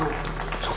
そうか。